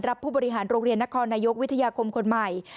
ผู้บริหารโรงเรียนนครนายกวิทยาคมคนใหม่